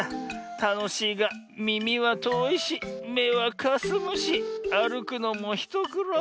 たのしいがみみはとおいしめはかすむしあるくのもひとくろう。